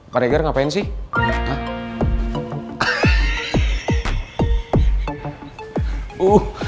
pak regar ngapain sih